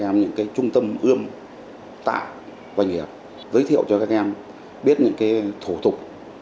em những cái trung tâm ươm tạo doanh nghiệp giới thiệu cho các em biết những cái thủ tục